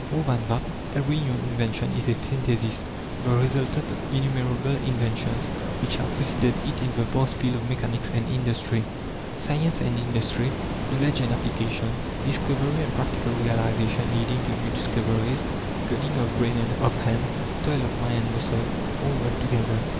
More than that: every new invention is a synthesis, the resultant of innumerable inventions which have preceded it in the vast field of mechanics and industry. Science and industry, knowledge and application, discovery and practical realization leading to new discoveries, cunning of brain and of hand, toil of mind and muscle all work together.